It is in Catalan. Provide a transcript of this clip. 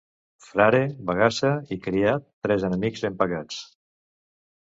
Frare, bagassa i criat, tres enemics ben pagats.